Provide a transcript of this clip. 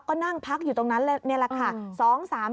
ก็นั่งพักอยู่ตรงนั้นนี่แหละค่ะ